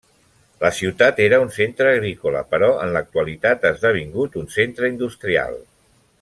La ciutat era un centre agrícola, però en l'actualitat ha esdevingut un centre industrial.